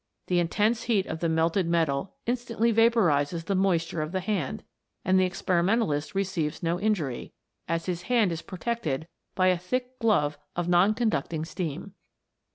The intense heat of the melted metal instantly vaporizes the moisture of the hand, and the experimentalist re ceives no injury, as his hand is protected by a thick glove of non conducting steam.